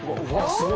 すごい。